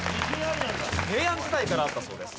平安時代からあったそうです。